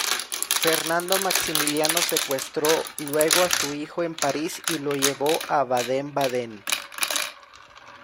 Fernando Maximiliano secuestró luego a su hijo en París y lo llevó a Baden-Baden.